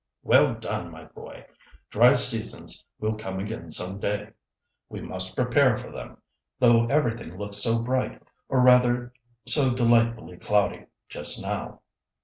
"Well done, my boy; dry seasons will come again some day; we must prepare for them, though everything looks so bright, or rather so delightfully cloudy, just now.